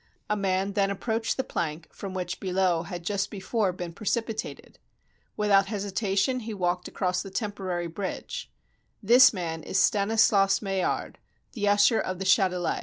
A man then approached the plank from which Billot had just before been precipi tated. Without hesitation he walked across the tempo rary bridge. This man is Stanislaus Maillard, the usher of the Chatelet.